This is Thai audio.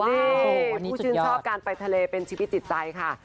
นี่ผู้ชื่นชอบการไปทะเลเป็นชีวิตจิตใจค่ะ